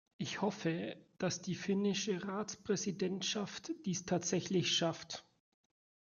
Ich hoffe, dass die finnische Ratspräsidentschaft dies tatsächlich schafft.